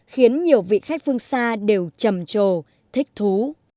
khiến nhiều vị khách phương xa đều trầm trồ thích thú